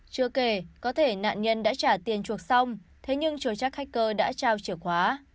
chưa kể có thể nạn nhân đã trả tiền chuộc xong thế nhưng chối trác hacker đã trao chìa khóa